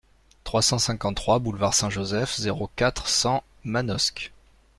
trois cent cinquante-trois boulevard Saint-Joseph, zéro quatre, cent, Manosque